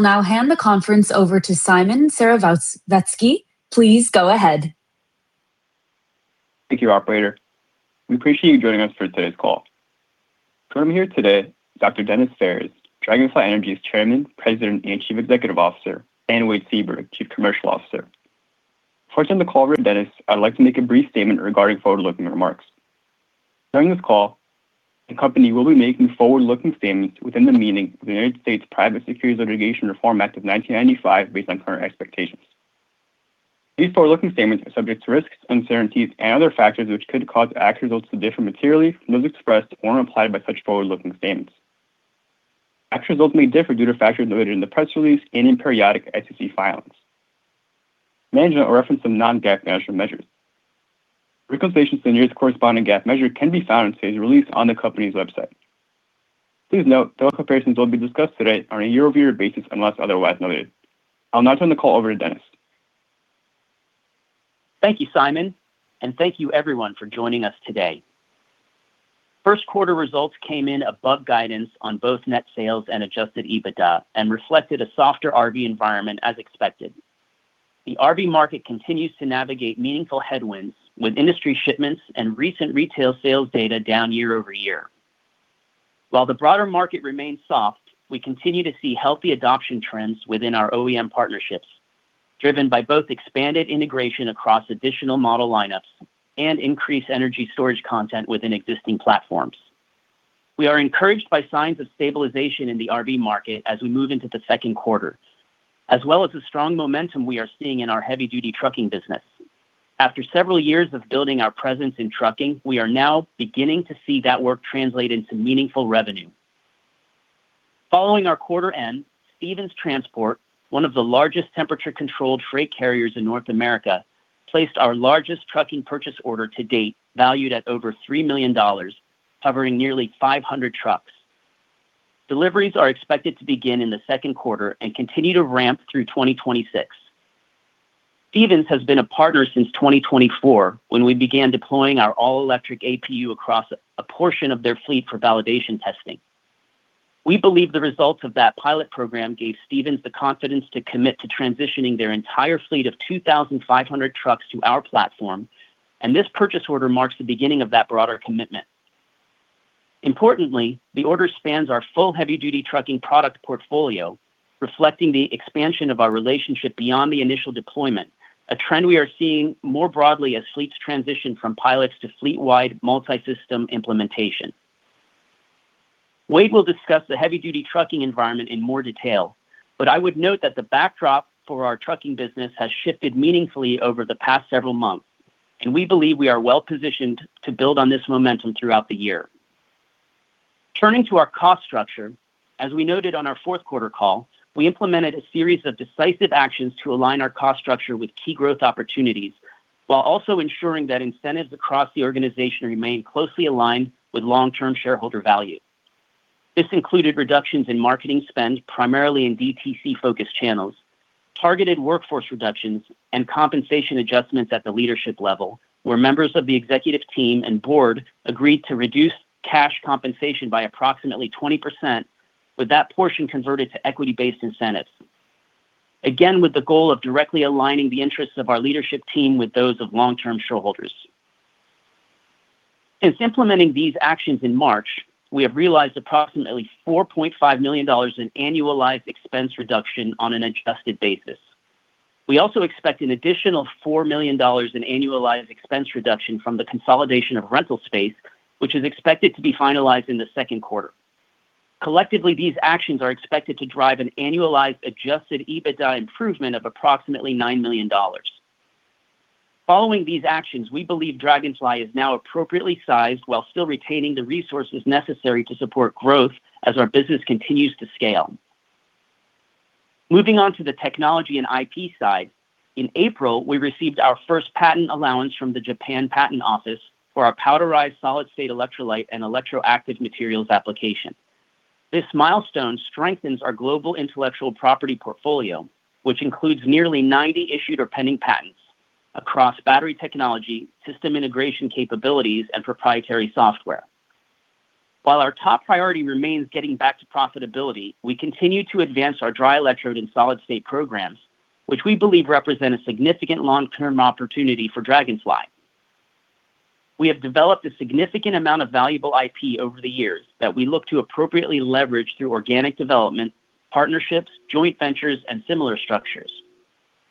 I will now hand the conference over to Szymon Serowiecki. Please go ahead. Thank you, operator. We appreciate you joining us for today's call. Joining me here today is Dr. Denis Phares, Dragonfly Energy's Chairman, President, and Chief Executive Officer, and Wade Seaburg, Chief Commercial Officer. Before I turn the call over to Denis, I'd like to make a brief statement regarding forward-looking remarks. During this call, the company will be making forward-looking statements within the meaning of the United States Private Securities Litigation Reform Act of 1995, based on current expectations. These forward-looking statements are subject to risks, uncertainties, and other factors which could cause actual results to differ materially from those expressed or implied by such forward-looking statements. Actual results may differ due to factors noted in the press release and in periodic SEC filings. Management will reference some non-GAAP financial measures. Reconciliations to the nearest corresponding GAAP measure can be found in today's release on the company's website. Please note, though comparisons will be discussed today are on a year-over-year basis unless otherwise noted. I'll now turn the call over to Denis. Thank you, Szymon, and thank you everyone for joining us today. First quarter results came in above guidance on both net sales and adjusted EBITDA and reflected a softer RV environment as expected. The RV market continues to navigate meaningful headwinds with industry shipments and recent retail sales data down year-over-year. While the broader market remains soft, we continue to see healthy adoption trends within our OEM partnerships, driven by both expanded integration across additional model lineups and increased energy storage content within existing platforms. We are encouraged by signs of stabilization in the RV market as we move into the second quarter, as well as the strong momentum we are seeing in our heavy-duty trucking business. After several years of building our presence in trucking, we are now beginning to see that work translate into meaningful revenue. Following our quarter end, Stevens Transport, one of the largest temperature-controlled freight carriers in North America, placed our largest trucking purchase order to date, valued at over $3 million, covering nearly 500 trucks. Deliveries are expected to begin in the second quarter and continue to ramp through 2026. Stevens has been a partner since 2024 when we began deploying our All-Electric APU across a portion of their fleet for validation testing. We believe the results of that pilot program gave Stevens the confidence to commit to transitioning their entire fleet of 2,500 trucks to our platform, and this purchase order marks the beginning of that broader commitment. Importantly, the order spans our full heavy-duty trucking product portfolio, reflecting the expansion of our relationship beyond the initial deployment, a trend we are seeing more broadly as fleets transition from pilots to fleet-wide multi-system implementation. Wade will discuss the heavy-duty trucking environment in more detail. I would note that the backdrop for our trucking business has shifted meaningfully over the past several months, and we believe we are well-positioned to build on this momentum throughout the year. Turning to our cost structure, as we noted on our fourth quarter call, we implemented a series of decisive actions to align our cost structure with key growth opportunities while also ensuring that incentives across the organization remain closely aligned with long-term shareholder value. This included reductions in marketing spend, primarily in DTC-focused channels, targeted workforce reductions, and compensation adjustments at the leadership level, where members of the executive team and board agreed to reduce cash compensation by approximately 20%, with that portion converted to equity-based incentives. With the goal of directly aligning the interests of our leadership team with those of long-term shareholders. Since implementing these actions in March, we have realized approximately $4.5 million in annualized expense reduction on an adjusted basis. We also expect an additional $4 million in annualized expense reduction from the consolidation of rental space, which is expected to be finalized in the second quarter. Collectively, these actions are expected to drive an annualized adjusted EBITDA improvement of approximately $9 million. Following these actions, we believe Dragonfly is now appropriately sized while still retaining the resources necessary to support growth as our business continues to scale. Moving on to the technology and IP side, in April, we received our first patent allowance from the Japan Patent Office for our powderized solid-state electrolyte and electroactive materials application. This milestone strengthens our global intellectual property portfolio, which includes nearly 90 issued or pending patents across battery technology, system integration capabilities, and proprietary software. While our top priority remains getting back to profitability, we continue to advance our dry electrode and solid-state programs, which we believe represent a significant long-term opportunity for Dragonfly. We have developed a significant amount of valuable IP over the years that we look to appropriately leverage through organic development, partnerships, joint ventures, and similar structures.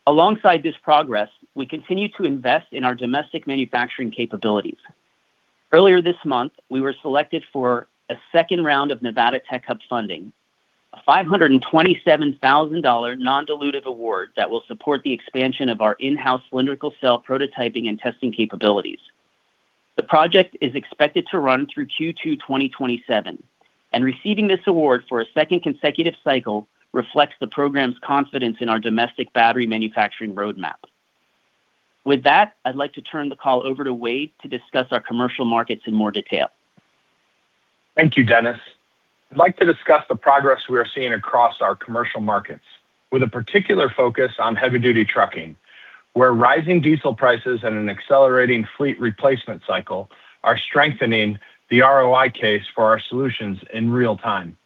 Alongside this progress, we continue to invest in our domestic manufacturing capabilities. Earlier this month, we were selected for a second round of Nevada Tech Hub funding, a $527,000 non-dilutive award that will support the expansion of our in-house cylindrical cell prototyping and testing capabilities. The project is expected to run through Q2 2027, and receiving this award for a second consecutive cycle reflects the program's confidence in our domestic battery manufacturing roadmap. With that, I'd like to turn the call over to Wade to discuss our commercial markets in more detail. Thank you, Denis. I'd like to discuss the progress we are seeing across our commercial markets, with a particular focus on heavy-duty trucking, where rising diesel prices and an accelerating fleet replacement cycle are strengthening the ROI case for our solutions in real time.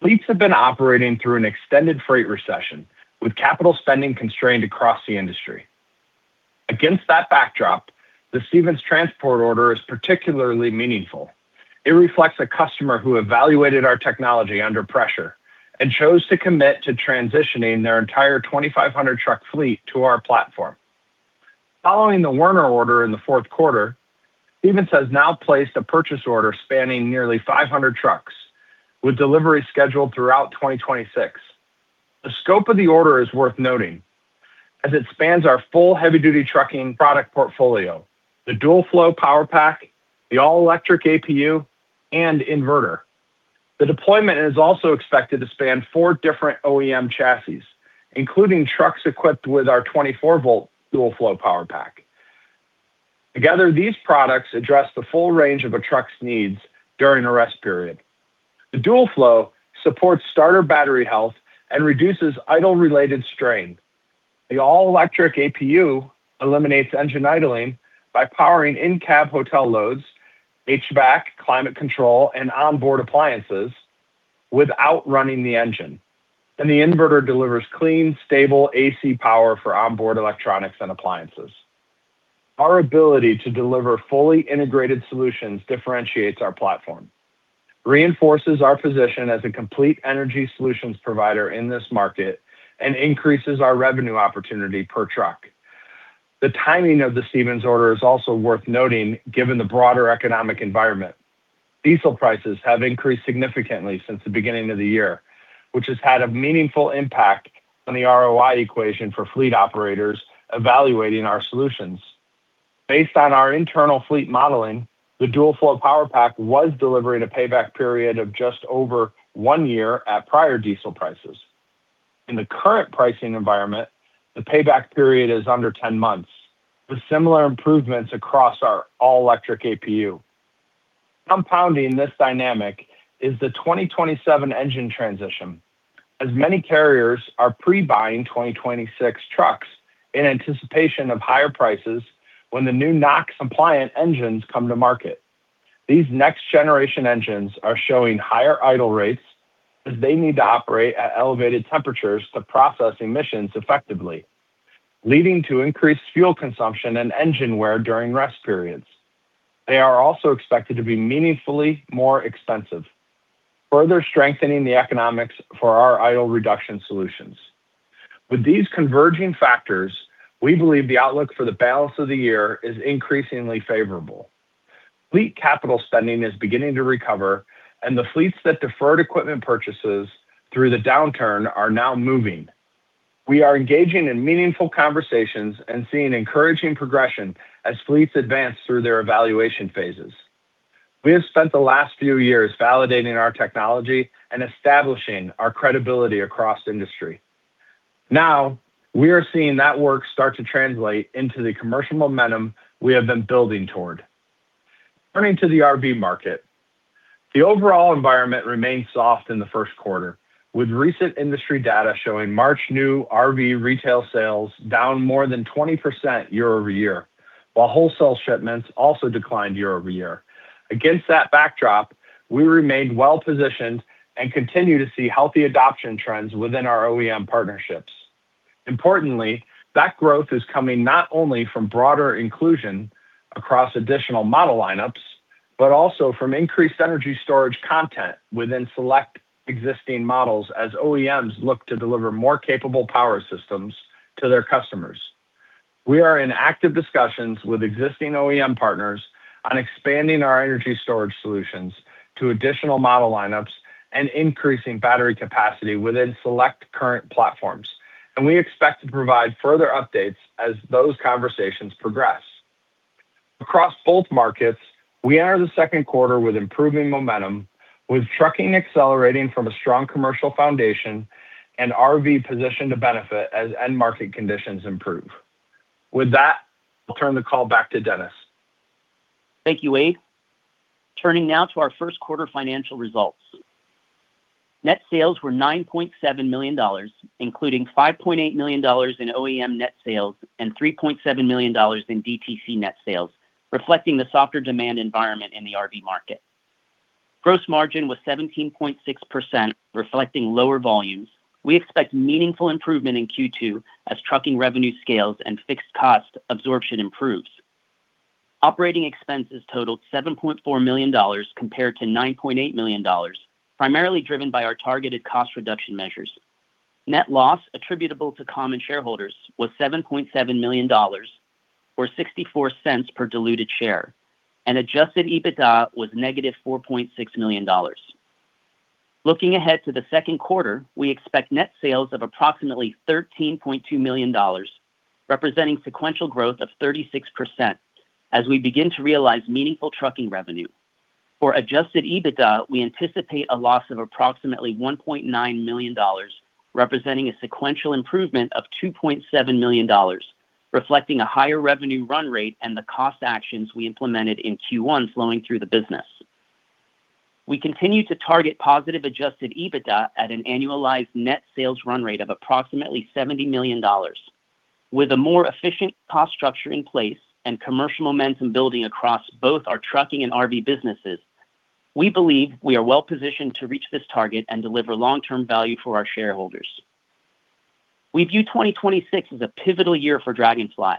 Fleets have been operating through an extended freight recession, with capital spending constrained across the industry. Against that backdrop, the Stevens Transport order is particularly meaningful. It reflects a customer who evaluated our technology under pressure and chose to commit to transitioning their entire 2,500 truck fleet to our platform. Following the Werner order in the fourth quarter, Stevens has now placed a purchase order spanning nearly 500 trucks, with delivery scheduled throughout 2026. The scope of the order is worth noting as it spans our full heavy-duty trucking product portfolio, the DualFlow Power Pack, the All-Electric APU, and inverter. The deployment is also expected to span four different OEM chassis, including trucks equipped with our 24-volt DualFlow Power Pack. Together, these products address the full range of a truck's needs during a rest period. The DualFlow supports starter battery health and reduces idle-related strain. The All-Electric APU eliminates engine idling by powering in-cab hotel loads, HVAC, climate control, and onboard appliances without running the engine. The inverter delivers clean, stable AC power for onboard electronics and appliances. Our ability to deliver fully integrated solutions differentiates our platform, reinforces our position as a complete energy solutions provider in this market, and increases our revenue opportunity per truck. The timing of the Stevens order is also worth noting, given the broader economic environment. Diesel prices have increased significantly since the beginning of the year, which has had a meaningful impact on the ROI equation for fleet operators evaluating our solutions. Based on our internal fleet modeling, the DualFlow Power Pack was delivering a payback period of just over one year at prior diesel prices. In the current pricing environment, the payback period is under 10 months, with similar improvements across our All-Electric APU. Compounding this dynamic is the 2027 engine transition, as many carriers are pre-buying 2026 trucks in anticipation of higher prices when the new NOx compliant engines come to market. These next generation engines are showing higher idle rates as they need to operate at elevated temperatures to process emissions effectively, leading to increased fuel consumption and engine wear during rest periods. They are also expected to be meaningfully more expensive, further strengthening the economics for our idle reduction solutions. With these converging factors, we believe the outlook for the balance of the year is increasingly favorable. Fleet capital spending is beginning to recover, and the fleets that deferred equipment purchases through the downturn are now moving. We are engaging in meaningful conversations and seeing encouraging progression as fleets advance through their evaluation phases. We have spent the last few years validating our technology and establishing our credibility across industry. Now, we are seeing that work start to translate into the commercial momentum we have been building toward. Turning to the RV market. The overall environment remained soft in the first quarter, with recent industry data showing March new RV retail sales down more than 20% year-over-year, while wholesale shipments also declined year-over-year. Against that backdrop, we remained well positioned and continue to see healthy adoption trends within our OEM partnerships. Importantly, that growth is coming not only from broader inclusion across additional model lineups, but also from increased energy storage content within select existing models as OEMs look to deliver more capable power systems to their customers. We are in active discussions with existing OEM partners on expanding our energy storage solutions to additional model lineups and increasing battery capacity within select current platforms, and we expect to provide further updates as those conversations progress. Across both markets, we enter the second quarter with improving momentum, with trucking accelerating from a strong commercial foundation and RV positioned to benefit as end market conditions improve. With that, I'll turn the call back to Denis. Thank you, Wade. Turning now to our first quarter financial results. Net sales were $9.7 million, including $5.8 million in OEM net sales and $3.7 million in DTC net sales, reflecting the softer demand environment in the RV market. Gross margin was 17.6%, reflecting lower volumes. We expect meaningful improvement in Q2 as trucking revenue scales and fixed cost absorption improves. Operating expenses totaled $7.4 million compared to $9.8 million, primarily driven by our targeted cost reduction measures. Net loss attributable to common shareholders was $7.7 million or $0.64 per diluted share, and adjusted EBITDA was negative $4.6 million. Looking ahead to the second quarter, we expect net sales of approximately $13.2 million, representing sequential growth of 36% as we begin to realize meaningful trucking revenue. For adjusted EBITDA, we anticipate a loss of approximately $1.9 million, representing a sequential improvement of $2.7 million, reflecting a higher revenue run rate and the cost actions we implemented in Q1 flowing through the business. We continue to target positive adjusted EBITDA at an annualized net sales run rate of approximately $70 million. With a more efficient cost structure in place and commercial momentum building across both our trucking and RV businesses, we believe we are well-positioned to reach this target and deliver long-term value for our shareholders. We view 2026 as a pivotal year for Dragonfly.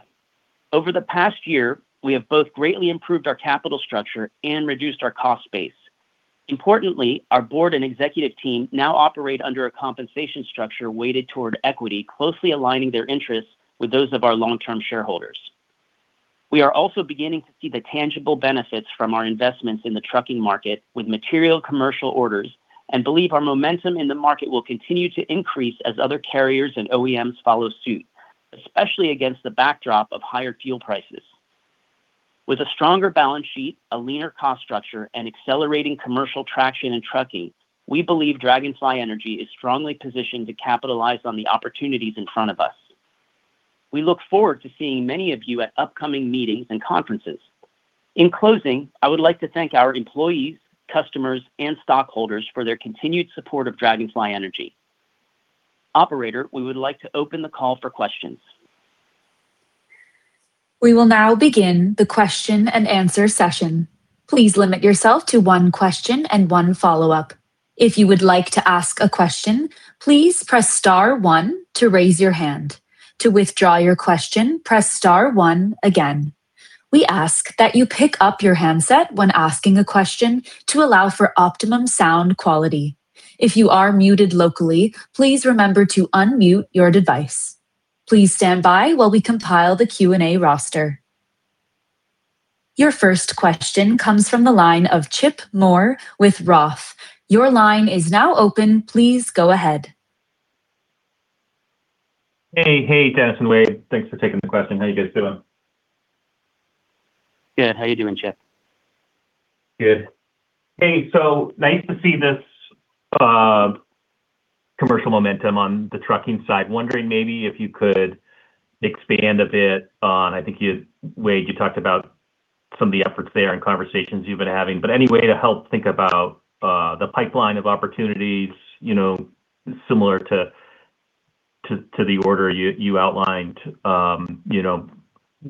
Over the past year, we have both greatly improved our capital structure and reduced our cost base. Importantly, our board and executive team now operate under a compensation structure weighted toward equity, closely aligning their interests with those of our long-term shareholders. We are also beginning to see the tangible benefits from our investments in the trucking market with material commercial orders, and believe our momentum in the market will continue to increase as other carriers and OEMs follow suit, especially against the backdrop of higher fuel prices. With a stronger balance sheet, a leaner cost structure, and accelerating commercial traction in trucking, we believe Dragonfly Energy is strongly positioned to capitalize on the opportunities in front of us. We look forward to seeing many of you at upcoming meetings and conferences. In closing, I would like to thank our employees, customers, and stockholders for their continued support of Dragonfly Energy. Operator, we would like to open the call for questions. We will now begin the question-and answer-session. Please limit yourself to one question and one follow-up. If you would like to ask a question, please press star one to raise your hand. To withdraw your question, press star one again. We ask that you pick up your handset when asking a question to allow for optimum sound quality. If you are muted locally, please remember to unmute your device. Please stand by while we compile the Q&A roster. Your first question comes from the line of Chip Moore with ROTH. Your line is now open. Please go ahead. Hey-hey, Denis and Wade. Thanks for taking the question. How you guys doing? Good. How you doing, Chip? Good. Hey, nice to see this commercial momentum on the trucking side. Wondering maybe if you could expand a bit on, I think Wade talked about some of the efforts there and conversations you've been having. Any way to help think about the pipeline of opportunities, you know, similar to the order you outlined. You know,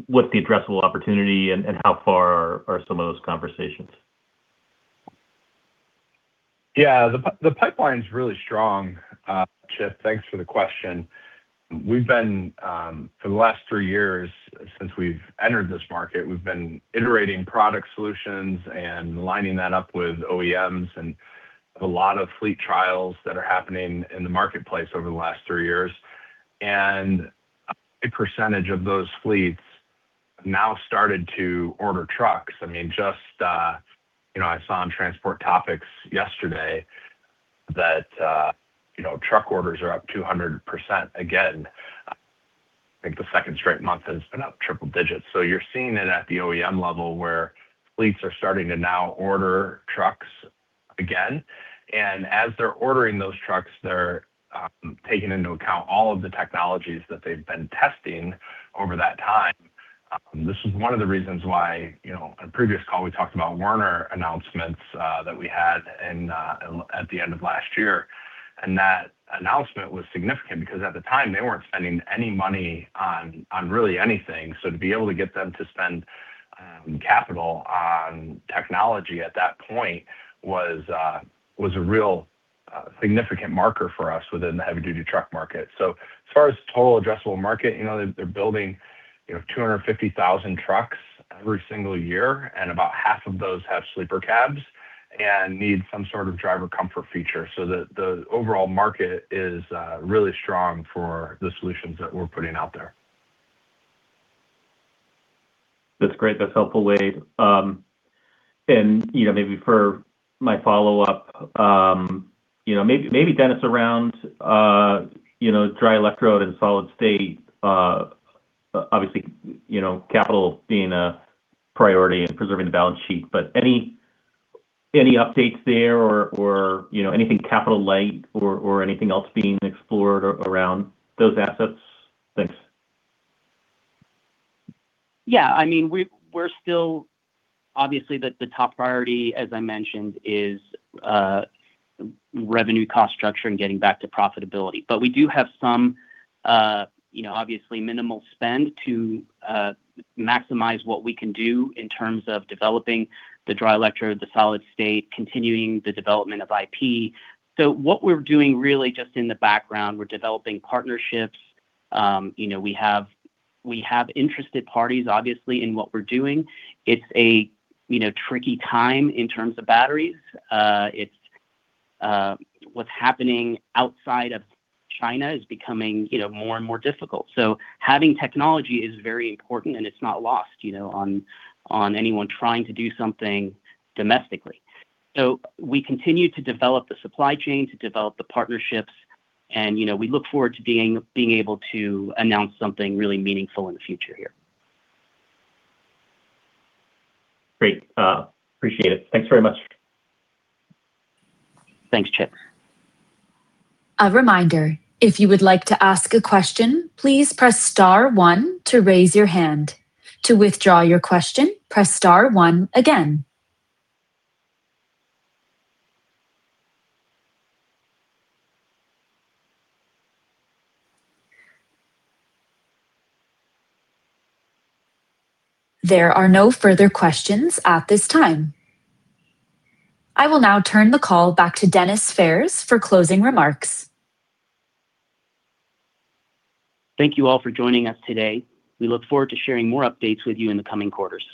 what's the addressable opportunity and how far are some of those conversations? Yeah. The pipeline's really strong, Chip. Thanks for the question. We've been for the last three years since we've entered this market. We've been iterating product solutions and lining that up with OEMs and a lot of fleet trials that are happening in the marketplace over the last three years. A percentage of those fleets have now started to order trucks. I mean, just, you know, I saw on Transport Topics yesterday that, you know, truck orders are up 200% again. I think the second straight month has been up triple digits. You're seeing it at the OEM level where fleets are starting to now order trucks again. As they're ordering those trucks, they're taking into account all of the technologies that they've been testing over that time. This is one of the reasons why, you know, in a previous call, we talked about Werner announcements that we had at the end of last year. That announcement was significant because at the time, they weren't spending any money on really anything. To be able to get them to spend capital on technology at that point was a real significant marker for us within the heavy duty truck market. As far as total addressable market, you know, they're building, you know, 250,000 trucks every single year, and about half of those have sleeper cabs and need some sort of driver comfort feature. The overall market is really strong for the solutions that we're putting out there. That's great. That's helpful, Wade. You know, maybe Denis around, you know, dry electrode and solid-state, obviously, you know, capital being a priority in preserving the balance sheet. Any updates there or, you know, anything capital light or anything else being explored around those assets? Thanks. Yeah, I mean, we're still Obviously, the top priority, as I mentioned, is revenue cost structure and getting back to profitability. We do have some, you know, obviously minimal spend to maximize what we can do in terms of developing the dry electrode, the solid-state, continuing the development of IP. What we're doing really just in the background, we're developing partnerships. You know, we have interested parties, obviously, in what we're doing. It's, you know, tricky time in terms of batteries. It's what's happening outside of China is becoming, you know, more and more difficult. Having technology is very important, and it's not lost, you know, on anyone trying to do something domestically. We continue to develop the supply chain, to develop the partnerships, and, you know, we look forward to being able to announce something really meaningful in the future here. Great. appreciate it. Thanks very much. Thanks, Chip. I will now turn the call back to Denis Phares for closing remarks. Thank you all for joining us today. We look forward to sharing more updates with you in the coming quarters.